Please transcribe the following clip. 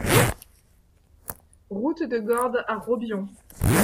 Route de Gordes à Robion